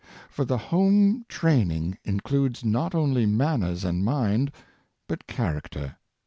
For the home training includes not only manners and mind, but character.